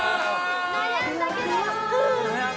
悩んだけど。